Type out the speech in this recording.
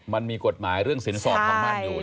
มันมีกฎหมายเรื่องสินสอดของมันอยู่